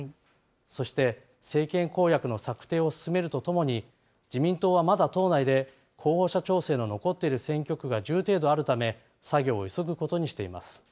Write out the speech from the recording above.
そして政権公約の策定を進めるとともに、自民党はまだ党内で候補者調整の残っている選挙区が１０程度あるため、作業を急ぐことにしています。